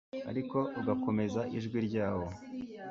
ariko ugakomeza ijwi ryawo